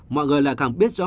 mọi người lại càng biết rõ